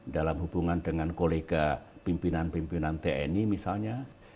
dalam hubungan dengan kolega pimpinan pimpinan tni misalnya